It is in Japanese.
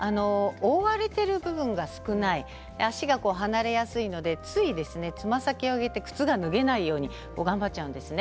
覆われている部分が少ない足が離れやすいのでつい、つま先を上げて靴が脱げないように頑張ってしまうんですね。